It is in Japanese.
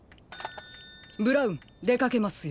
ブラウンでかけますよ。